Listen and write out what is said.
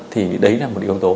thì đấy là một yếu tố